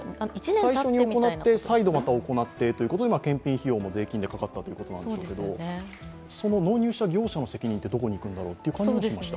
最初に行って再度行って、税金でかかったということなんでしょうけれども、その納入した業者の責任ってどこにいくんだろうという気がしました。